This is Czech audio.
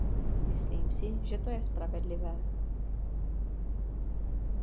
Myslím si, že to je spravedlivé.